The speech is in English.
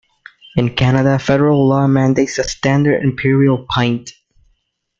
In Canada, Federal law mandates a standard imperial pint.